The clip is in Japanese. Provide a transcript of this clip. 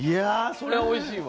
そりゃおいしいわ。